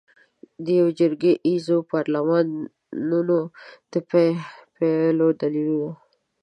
د یوه جرګه ایز پارلمانونو د پلویانو دلیلونه